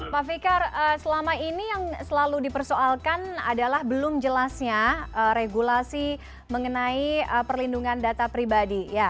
pak fikar selama ini yang selalu dipersoalkan adalah belum jelasnya regulasi mengenai perlindungan data pribadi